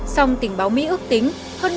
song tình báo mỹ ước tính